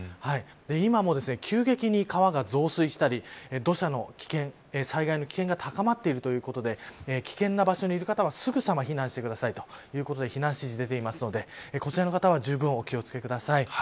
今も急激に川が増水したり土砂の危険、災害の危険が高まっているということで危険な場所にいる方はすぐさま避難してくださいということで避難指示が出ているのでこちらの方はじゅうぶんお気を付けください。